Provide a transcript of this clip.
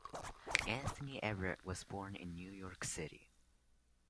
Anthony Everett was born in New York City.